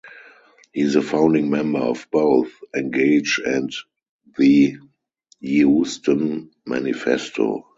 He is a founding member of both Engage and the Euston Manifesto.